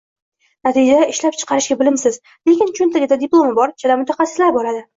Natijada ishlab chiqarishga bilimsiz, lekin choʻntagida diplomi bor chala mutaxassislar boradi.